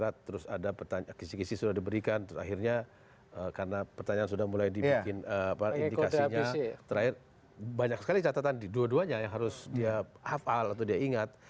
terakhir banyak sekali catatan di dua duanya yang harus dia hafal atau dia ingat